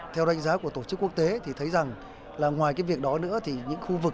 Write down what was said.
theo đánh giá của tổ chức quốc tế thì thấy rằng là ngoài cái việc đó nữa thì những khu vực